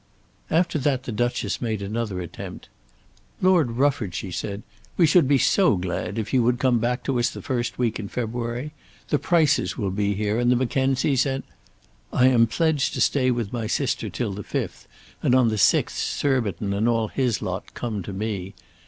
After that the Duchess made another attempt. "Lord Rufford," she said, "we should be so glad if you would come back to us the first week in February. The Prices will be here and the Mackenzies, and ." "I am pledged to stay with my sister till the fifth, and on the sixth Surbiton and all his lot come to me.